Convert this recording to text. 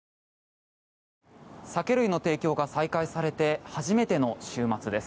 酒類の提供が再開されて初めての週末です。